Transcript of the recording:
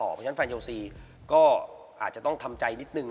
เพราะฉะนั้นแฟนเชลซีก็อาจจะต้องทำใจนิดนึง